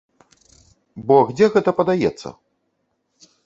Бо дзе гэта падаецца?